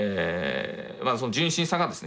その純真さがですね